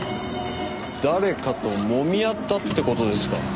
誰かともみ合ったって事ですか。